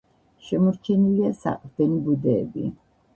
შემორჩენილია საყრდენი ბუდეები.